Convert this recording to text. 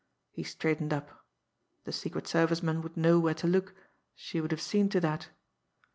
He straightened up. The Secret Service men would know where to look she would have seen to that!